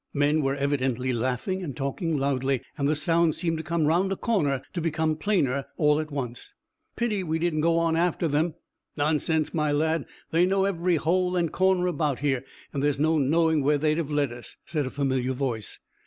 Men were evidently laughing and talking loudly, and the sounds seemed to come round a corner, to become plainer all at once. "Pity we didn't go on after them? Nonsense, my lad! They know every hole and corner about here, and there's no knowing where they'd have led us," said a familiar voice.